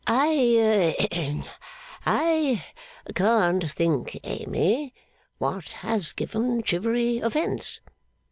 'I hem! I can't think, Amy, what has given Chivery offence.